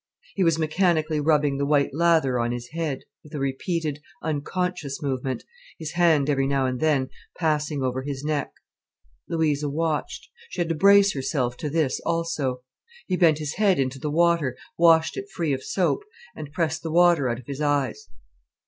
He was mechanically rubbing the white lather on his head, with a repeated, unconscious movement, his hand every now and then passing over his neck. Louisa watched. She had to brace herself to this also. He bent his head into the water, washed it free of soap, and pressed the water out of his eyes.